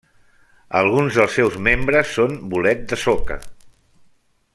Alguns dels seus membres són bolet de soca.